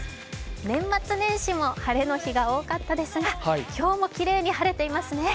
年末年始も晴れの日が多かったですが、今日もきれいに晴れていますね。